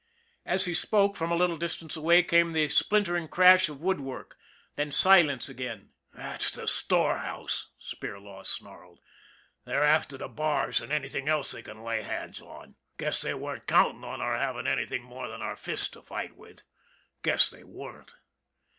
As he spoke, from a little distance away, came the splintering crash of woodwork then silence again. " That's the storehouse," Spirlaw snarled. " They're after the bars an' anything else they can lay their hands on. Guess they weren't countin' on our havin' anything more than our fists to fight with, guess they weren't."